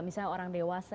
misalnya orang dewasa